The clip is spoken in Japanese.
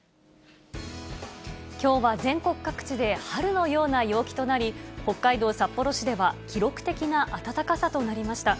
きょうは全国各地で春のような陽気となり、北海道札幌市では記録的な暖かさとなりました。